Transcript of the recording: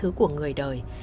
hoa thứ của người đời